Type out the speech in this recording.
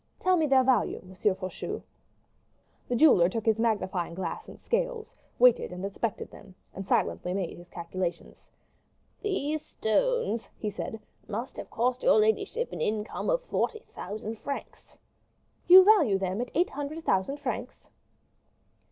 Tell me their value, M. Faucheux." The jeweler took his magnifying glass and scales, weighed and inspected them, and silently made his calculations. "These stones," he said, "must have cost your ladyship an income of forty thousand francs." "You value them at eight hundred thousand francs?"